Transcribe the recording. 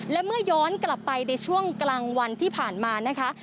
และเมื่อย้อนกลับไปในช่วงกลางวันที่ผ่านมานะคะ